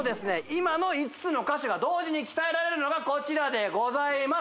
今の５つの箇所が同時に鍛えられるのがこちらでございます